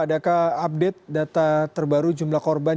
adakah update data terbaru jumlah korban